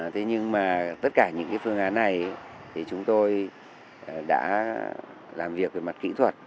thế nhưng mà tất cả những phương án này thì chúng tôi đã làm việc về mặt kỹ thuật